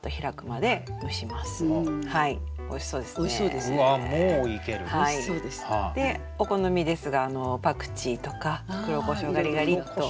でお好みですがパクチーとか黒こしょうガリガリッと。